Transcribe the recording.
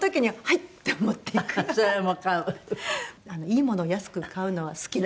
いいものを安く買うのは好き。